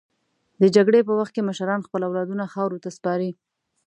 د جګړې په وخت کې مشران خپل اولادونه خاورو ته سپاري.